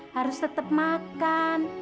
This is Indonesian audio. harus tetap makan